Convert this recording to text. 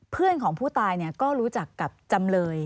เพื่อนของผู้ตายก็รู้จักกับจำเลย